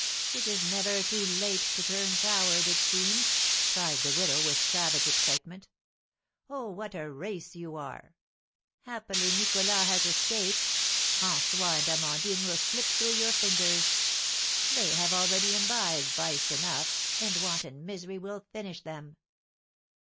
"It is never too late to turn coward, it seems!" cried the widow, with savage excitement. "Oh, what a race you are! Happily Nicholas has escaped; François and Amandine will slip through your fingers; they have already imbibed vice enough, and want and misery will finish them!"